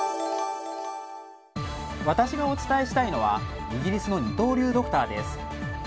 私がお伝えしたいのはイギリスの二刀流ドクターです。